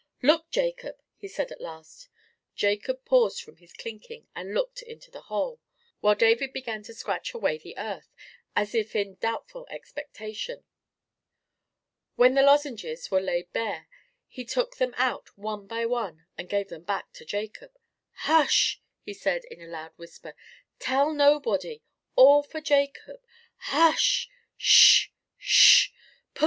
"Look, Jacob!" he said, at last. Jacob paused from his clinking, and looked into the hole, while David began to scratch away the earth, as if in doubtful expectation. When the lozenges were laid bare, he took them out one by one, and gave them to Jacob. "Hush!" he said, in a loud whisper, "Tell nobody—all for Jacob—hush—sh—sh!